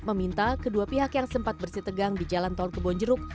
meminta kedua pihak yang sempat bersih tegang di jalan tol kebonjeruk